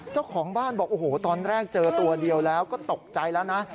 เจ้าของบ้านบอกโอ้โหตอนแรกเจอตัวเดียวแล้วก็ตกใจแล้วนะ